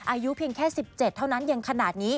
อายุเพียงแค่๑๗เท่านั้นยังขนาดนี้